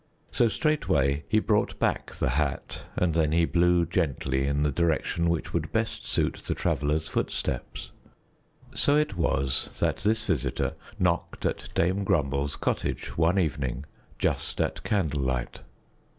So straightway he brought back the hat, and then he blew gently in the direction which would best suit the Traveler's footsteps. So it was that this visitor knocked at Dame Grumble's cottage one evening just at candlelight.